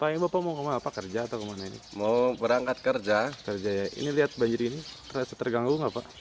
ini lihat banjir ini terganggu nggak pak